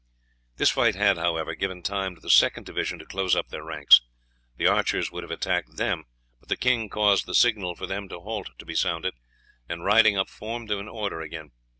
This fight had, however, given time to the second division to close up their ranks. The archers would have attacked them, but the king caused the signal for them to halt to be sounded, and riding up formed them in order again.